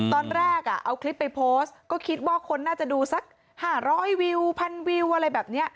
ตอนแรกเอาคลิปไปโพสต์ก็คิดว่าคนน่าจะดูสัก๕๐๐วิวพันวิวอะไรแบบนี้